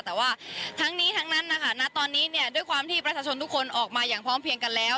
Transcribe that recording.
แต่ว่าทั้งนี้ทั้งนั้นนะคะณตอนนี้เนี่ยด้วยความที่ประชาชนทุกคนออกมาอย่างพร้อมเพียงกันแล้ว